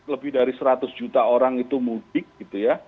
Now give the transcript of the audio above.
lebih dari seratus juta orang itu mudik gitu ya